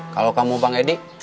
kalau kamu bang edi